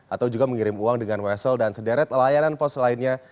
atau juga mengirim uang dengan wesel dan sederet layanan pos lainnya